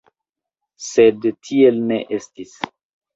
Sed tiel ne estis.